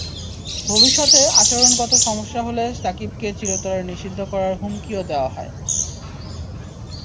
ভবিষ্যতে আচরণগত সমস্যা হলে সাকিবকে চিরতরে নিষিদ্ধ করার হুমকিও দেওয়া হয়।